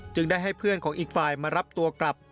ได้ให้เพื่อนของอีกฝ่ายมารับตัวกลับ